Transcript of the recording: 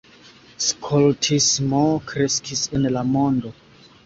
Skoltismo kreskis en la mondo.